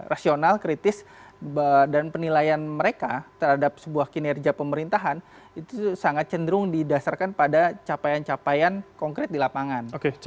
rasional kritis dan penilaian mereka terhadap sebuah kinerja pemerintahan itu sangat cenderung didasarkan pada capaian capaian konkret di lapangan